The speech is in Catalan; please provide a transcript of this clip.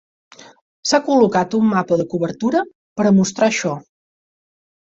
S'ha col·locat un mapa de cobertura per a mostrar això.